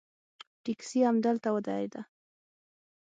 ټیکسي همدلته ودرېده.